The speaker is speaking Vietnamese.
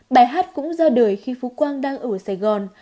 bài hát cũng ra đời khi phú quang đang ở sài gòn